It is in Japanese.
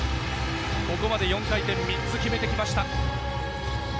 ここまで４回転３つ決めてきました。